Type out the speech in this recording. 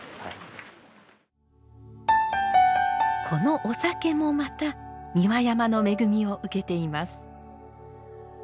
このお酒もまた三輪山の恵みを受けています。